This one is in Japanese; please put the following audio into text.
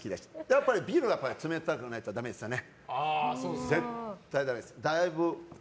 やっぱりビールは冷たくないと絶対だめです。